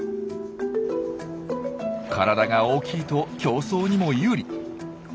体が大きいと競争にも有利。